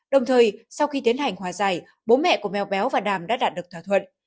đồng thời sau khi tiến hành hòa giải bố mẹ của mèo béo và đàm đã đạt được thỏa thuận